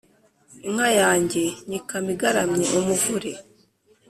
Inka yanjye nyikama igaramye:umuvure